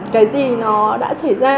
cái gì nó đã xảy ra